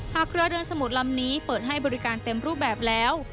เรือเดินสมุดลำนี้เปิดให้บริการเต็มรูปแบบแล้ว